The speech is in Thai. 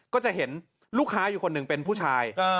ก็จะเห็นลูกค้าอยู่คนหนึ่งเป็นผู้ชาย